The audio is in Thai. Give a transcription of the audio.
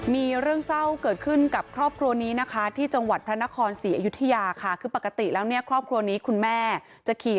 มีเรื่องเศร้าเกิดขึ้นกับครอบครัวนี้นะคะที่จังหวัดพระนครศรีอยุธยาค่ะคือปกติแล้วเนี่ยครอบครัวนี้คุณแม่จะขี่